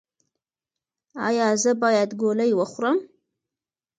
ایا زه باید ګولۍ وخورم؟